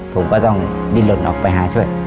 ผมก็ต้องดินหล่นออกไปหาช่วย